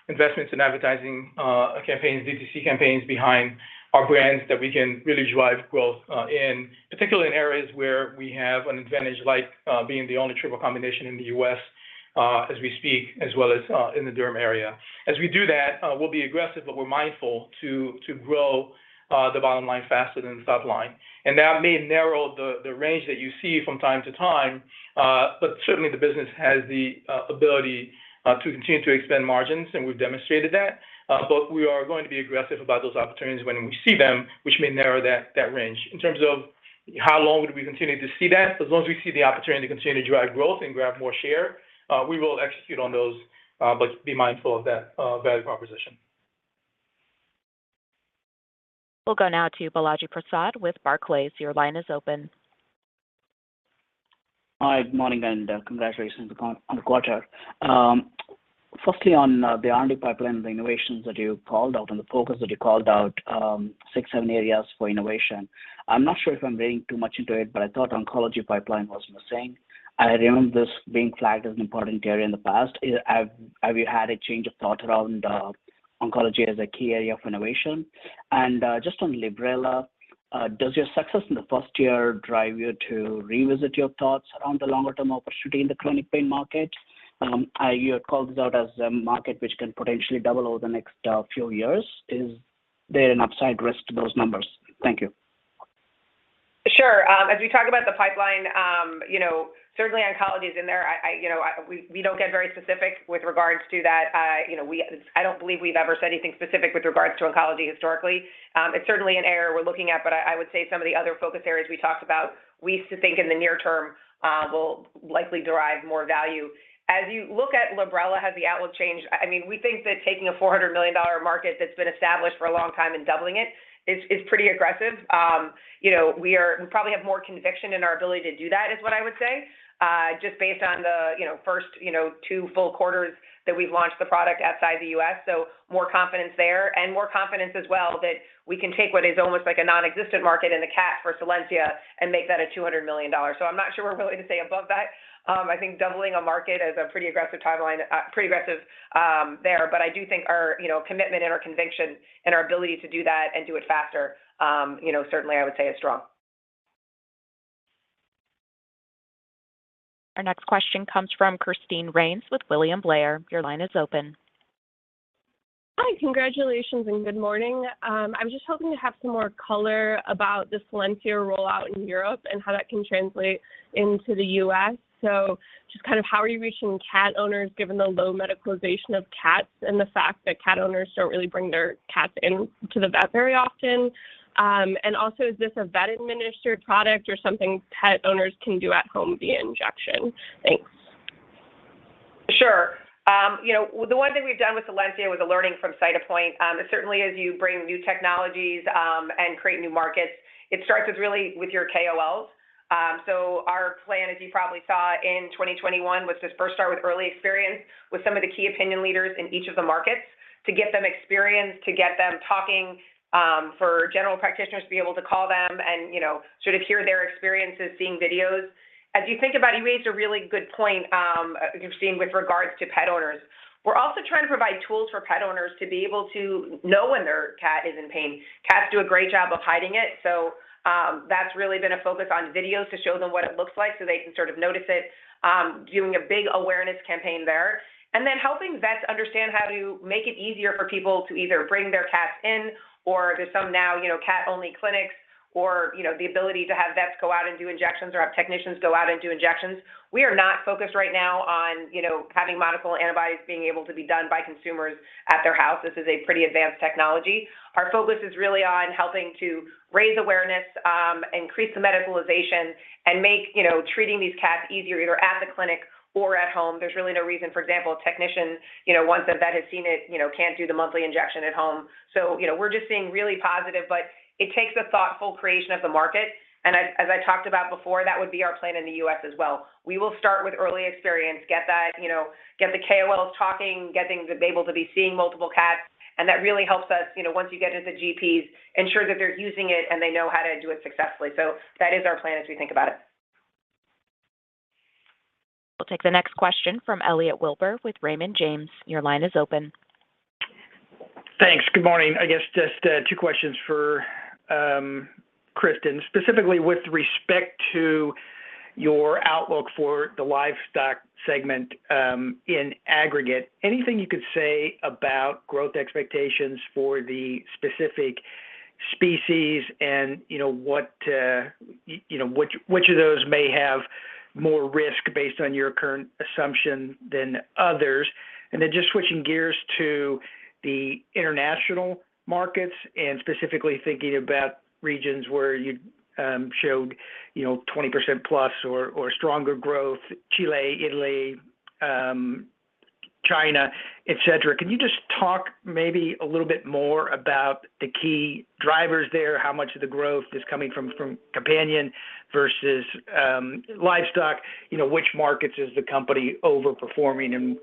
investments in advertising campaigns, D2C campaigns behind our brands that we can really drive growth in. Particularly in areas where we have an advantage, like being the only triple combination in the U.S. as we speak, as well as in the derm area. As we do that, we'll be aggressive, but we're mindful to grow the bottom line faster than the top line. That may narrow the range that you see from time to time. Certainly the business has the ability to continue to expand margins, and we've demonstrated that. We are going to be aggressive about those opportunities when we see them, which may narrow that range. In terms of how long would we continue to see that, as long as we see the opportunity to continue to drive growth and grab more share, we will execute on those, but be mindful of that value proposition.
We'll go now to Balaji Prasad with Barclays. Your line is open.
Hi, good morning, and congratulations on the quarter. Firstly on the R&D pipeline, the innovations that you called out and the focus that you called out, six, seven areas for innovation. I'm not sure if I'm reading too much into it, but I thought oncology pipeline was missing. I remember this being flagged as an important area in the past. Have you had a change of thought around oncology as a key area of innovation? Just on Librela, does your success in the first year drive you to revisit your thoughts around the longer term opportunity in the chronic pain market? You had called this out as a market which can potentially double over the next few years. Is there an upside risk to those numbers? Thank you.
Sure. As we talk about the pipeline, you know, certainly oncology is in there. You know, we don't get very specific with regards to that. You know, I don't believe we've ever said anything specific with regards to oncology historically. It's certainly an area we're looking at, but I would say some of the other focus areas we talked about, we used to think in the near term, will likely derive more value. As you look at Librela, has the outlook changed? I mean, we think that taking a $400 million market that's been established for a long time and doubling it is pretty aggressive. You know, we probably have more conviction in our ability to do that, is what I would say. Just based on the, you know, first, you know, two full quarters that we've launched the product outside the U.S. More confidence there and more confidence as well that we can take what is almost like a nonexistent market in the cat for Solensia and make that a $200 million. I'm not sure we're willing to say above that. I think doubling a market is a pretty aggressive timeline there. I do think our, you know, commitment and our conviction and our ability to do that and do it faster, you know, certainly I would say is strong.
Our next question comes from Christine Rains with William Blair. Your line is open.
Hi, congratulations and good morning. I was just hoping to have some more color about the Solensia rollout in Europe and how that can translate into the U.S. Just kind of how are you reaching cat owners given the low medicalization of cats and the fact that cat owners don't really bring their cats in to the vet very often. Also is this a vet administered product or something pet owners can do at home via injection? Thanks.
Sure. You know, the one thing we've done with Solensia was a learning from Cytopoint. Certainly as you bring new technologies and create new markets, it starts with really with your KOLs. So our plan, as you probably saw in 2021, was to first start with early experience with some of the key opinion leaders in each of the markets to get them experience, to get them talking, for general practitioners to be able to call them and, you know, sort of hear their experiences seeing videos. As you think about it, you raised a really good point, Christine, with regards to pet owners. We're also trying to provide tools for pet owners to be able to know when their cat is in pain. Cats do a great job of hiding it, so that's really been a focus on videos to show them what it looks like so they can sort of notice it, doing a big awareness campaign there. Helping vets understand how to make it easier for people to either bring their cats in or there's some now, you know, cat-only clinics or, you know, the ability to have vets go out and do injections or have technicians go out and do injections. We are not focused right now on, you know, having monoclonal antibodies being able to be done by consumers at their house. This is a pretty advanced technology. Our focus is really on helping to raise awareness, increase the medicalization, and make, you know, treating these cats easier either at the clinic or at home. There's really no reason, for example, a technician, you know, once a vet has seen it, you know, can't do the monthly injection at home. You know, we're just seeing really positive, but it takes a thoughtful creation of the market. As I talked about before, that would be our plan in the U.S. as well. We will start with early experience, get that, you know, get the KOLs talking, getting able to be seeing multiple cats, and that really helps us, you know, once you get into GPs, ensure that they're using it, and they know how to do it successfully. That is our plan as we think about it.
We'll take the next question from Elliot Wilbur with Raymond James. Your line is open.
Thanks. Good morning. I guess just two questions for Kristin. Specifically with respect to your outlook for the livestock segment, in aggregate, anything you could say about growth expectations for the specific species and, you know, what you know, which of those may have more risk based on your current assumption than others? Then just switching gears to the international markets and specifically thinking about regions where you showed, you know, 20%+ or stronger growth, Chile, Italy, China, et cetera. Can you just talk maybe a little bit more about the key drivers there? How much of the growth is coming from companion versus livestock? You know, which markets is the company overperforming and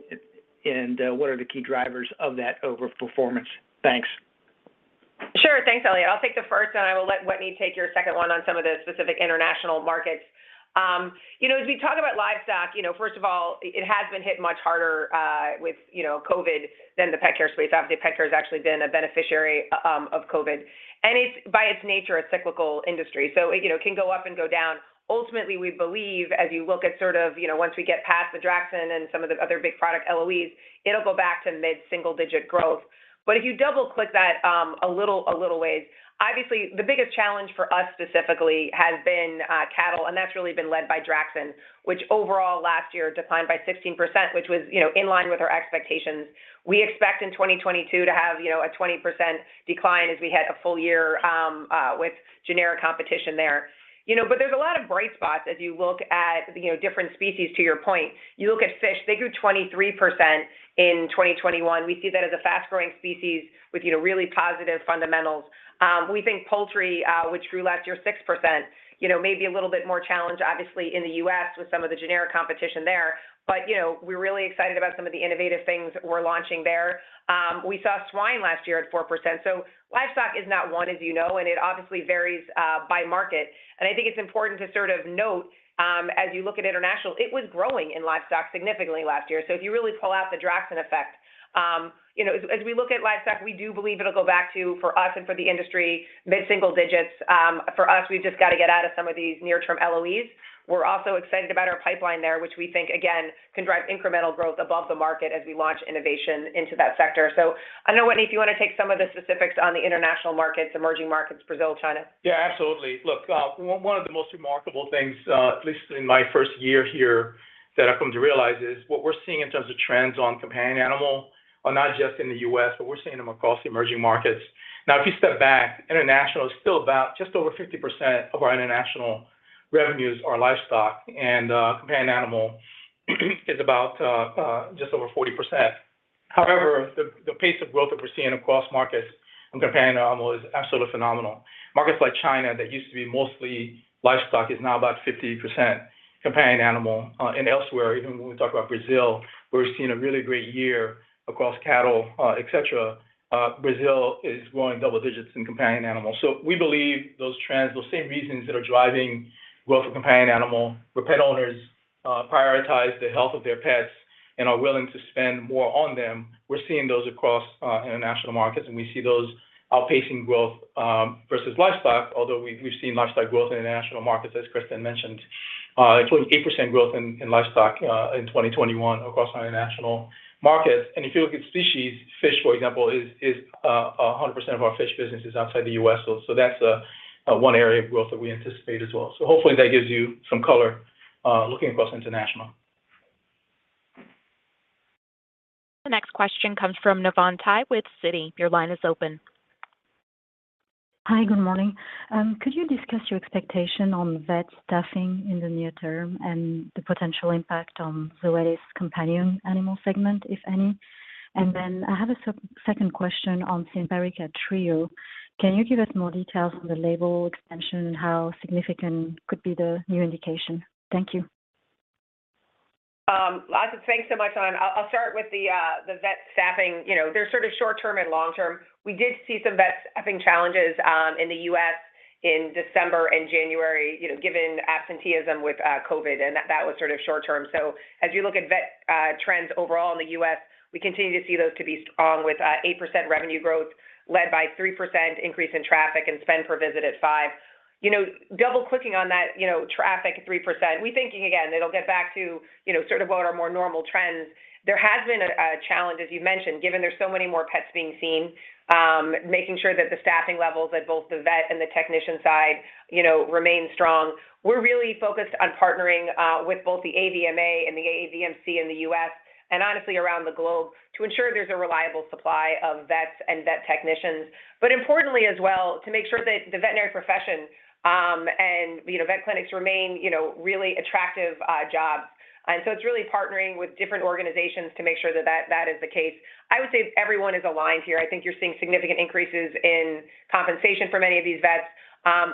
what are the key drivers of that overperformance? Thanks.
Sure. Thanks, Elliot. I'll take the first, and I will let Wetteny take your second one on some of the specific international markets. You know, as we talk about livestock, you know, first of all, it has been hit much harder with you know, COVID than the pet care space. Obviously, pet care has actually been a beneficiary of COVID. It's, by its nature, a cyclical industry, so it you know, can go up and go down. Ultimately, we believe, as you look at sort of you know, once we get past the Draxxin and some of the other big product LOEs, it'll go back to mid-single-digit growth. If you double-click that a little ways, obviously, the biggest challenge for us specifically has been cattle, and that's really been led by Draxxin, which overall last year declined by 16%, which was, you know, in line with our expectations. We expect in 2022 to have, you know, a 20% decline as we had a full year with generic competition there. You know, there's a lot of bright spots as you look at, you know, different species to your point. You look at fish, they grew 23% in 2021. We see that as a fast-growing species with, you know, really positive fundamentals. We think poultry, which grew last year 6%, you know, may be a little bit more challenged obviously in the U.S. with some of the generic competition there. You know, we're really excited about some of the innovative things we're launching there. We saw swine last year at 4%. Livestock is not one, as you know, and it obviously varies by market. I think it's important to sort of note, as you look at international, it was growing in livestock significantly last year. If you really pull out the Draxxin effect, you know, as we look at livestock, we do believe it'll go back to, for us and for the industry, mid-single digits. For us, we've just got to get out of some of these near-term LOEs. We're also excited about our pipeline there, which we think, again, can drive incremental growth above the market as we launch innovation into that sector. I don't know, Wetteny, if you wanna take some of the specifics on the international markets, emerging markets, Brazil, China.
Yeah, absolutely. Look, one of the most remarkable things, at least in my first year here that I've come to realize is what we're seeing in terms of trends on companion animal are not just in the U.S., but we're seeing them across the emerging markets. Now, if you step back, international is still about just over 50% of our international revenues are livestock and companion animal is about just over 40%. However, the pace of growth that we're seeing across markets in companion animal is absolutely phenomenal. Markets like China that used to be mostly livestock is now about 50% companion animal. And elsewhere, even when we talk about Brazil, where we've seen a really great year across cattle, et cetera, Brazil is growing double digits in companion animals. We believe those trends, those same reasons that are driving growth in companion animal, where pet owners prioritize the health of their pets and are willing to spend more on them, we're seeing those across international markets, and we see those outpacing growth versus livestock, although we've seen livestock growth in international markets, as Kristin mentioned, including 8% growth in livestock in 2021 across our international markets. If you look at species, fish, for example, is 100% of our fish business is outside the U.S. That's one area of growth that we anticipate as well. Hopefully, that gives you some color looking across international.
The next question comes from Navann Ty with Citi. Your line is open.
Hi, good morning. Could you discuss your expectation on vet staffing in the near term and the potential impact on Zoetis' Companion Animal segment, if any? I have a second question on Simparica Trio. Can you give us more details on the label expansion? How significant could be the new indication? Thank you.
Navann, thanks so much. I'll start with the vet staffing. You know, there's sort of short term and long term. We did see some vet staffing challenges in the U.S. in December and January, you know, given absenteeism with COVID, and that was sort of short term. As you look at vet trends overall in the U.S., we continue to see those to be strong with 8% revenue growth led by 3% increase in traffic and spend per visit at 5%. You know, double-clicking on that, you know, traffic at 3%, we're thinking again it'll get back to, you know, sort of what are more normal trends. There has been a challenge, as you mentioned, given there's so many more pets being seen. Making sure that the staffing levels at both the vet and the technician side, you know, remain strong. We're really focused on partnering with both the AVMA and the AAVMC in the U.S., and honestly around the globe, to ensure there's a reliable supply of vets and vet technicians, but importantly as well, to make sure that the veterinary profession and, you know, vet clinics remain, you know, really attractive jobs. It's really partnering with different organizations to make sure that that is the case. I would say everyone is aligned here. I think you're seeing significant increases in compensation for many of these vets.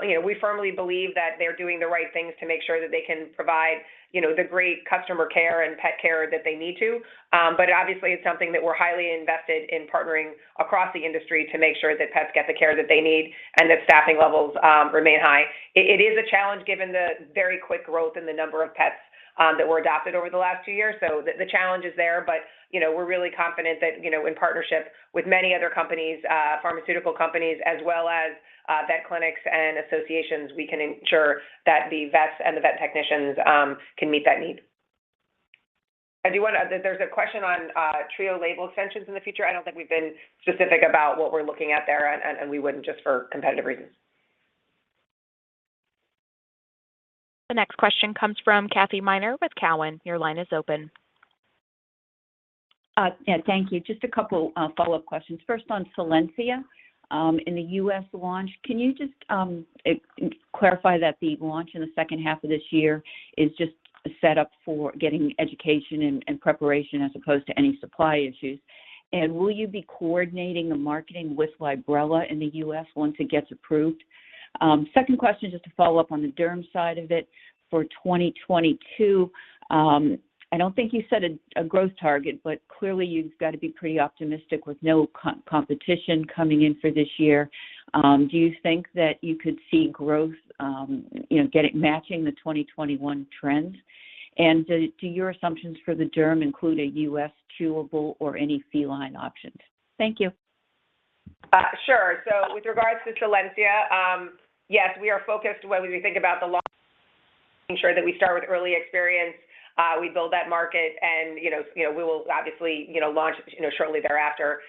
You know, we firmly believe that they're doing the right things to make sure that they can provide, you know, the great customer care and pet care that they need to. Obviously it's something that we're highly invested in partnering across the industry to make sure that pets get the care that they need and that staffing levels remain high. It is a challenge given the very quick growth in the number of pets that were adopted over the last two years. The challenge is there, but you know, we're really confident that, you know, in partnership with many other companies, pharmaceutical companies as well as, vet clinics and associations, we can ensure that the vets and the vet technicians can meet that need. I do wanna. There's a question on Trio label extensions in the future. I don't think we've been specific about what we're looking at there and we wouldn't just for competitive reasons.
The next question comes from Kathy Miner with Cowen. Your line is open.
Yeah, thank you. Just a couple follow-up questions. First on Solensia, in the U.S. launch, can you just clarify that the launch in the second half of this year is just a set up for getting education and preparation as opposed to any supply issues? And will you be coordinating the marketing with Librela in the U.S. once it gets approved? Second question, just to follow up on the derm side of it for 2022, I don't think you set a growth target, but clearly you've gotta be pretty optimistic with no competition coming in for this year. Do you think that you could see growth, you know, get it matching the 2021 trends? And do your assumptions for the derm include a U.S. chewable or any feline options? Thank you.
Sure. With regards to Solensia, yes, we are focused whether we think about the launch, ensuring that we start with early experience, we build that market and, you know, we will obviously, you know, launch shortly thereafter.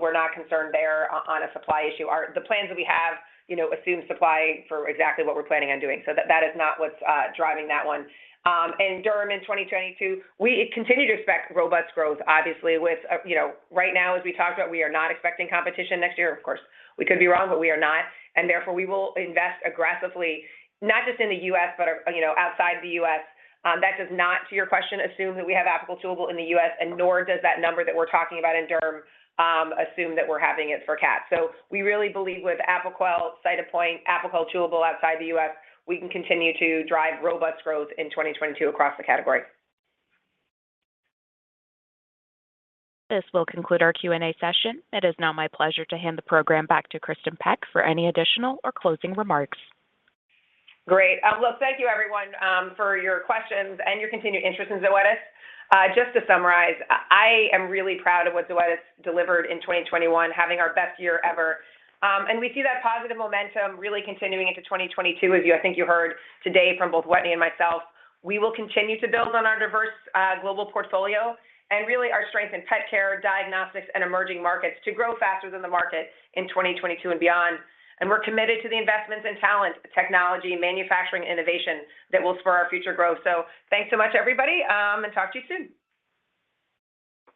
We're not concerned there on a supply issue. Our plans that we have, you know, assume supply for exactly what we're planning on doing. So that is not what's driving that one. Derm in 2022, we continue to expect robust growth obviously with, you know. Right now as we talked about, we are not expecting competition next year. Of course, we could be wrong, but we are not. Therefore we will invest aggressively, not just in the U.S. but, you know, outside the U.S. That does not, to your question, assume that we have Apoquel Chewable in the U.S. and nor does that number that we're talking about in derm assume that we're having it for cats. We really believe with Apoquel, Cytopoint, Apoquel Chewable outside the U.S., we can continue to drive robust growth in 2022 across the category.
This will conclude our Q&A session. It is now my pleasure to hand the program back to Kristin Peck for any additional or closing remarks.
Great. Well, thank you everyone for your questions and your continued interest in Zoetis. Just to summarize, I am really proud of what Zoetis delivered in 2021, having our best year ever. We see that positive momentum really continuing into 2022. As you, I think you heard today from both Wetteny and myself, we will continue to build on our diverse global portfolio and really our strength in pet care, diagnostics, and emerging markets to grow faster than the market in 2022 and beyond. We're committed to the investments in talent, technology, manufacturing innovation that will spur our future growth. Thanks so much everybody, and talk to you soon.